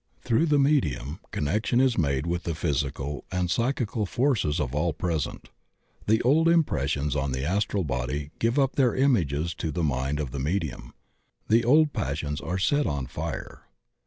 Through the medium connection is made with the physical and psychical forces of all present. The old impressions on the astral body give up their images to the mind of the medium, the old passions are set on fire.